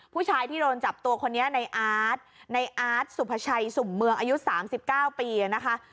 ผู้ชายที่โดนจับตัวคนนี้ในอาร์ตในอาร์ตสุภาชัยสุ่มเมืองอายุ๓๙ปีนะคะ